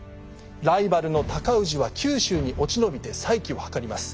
ライバルの尊氏は九州に落ち延びて再起を図ります。